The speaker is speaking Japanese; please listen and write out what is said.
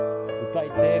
歌いてえ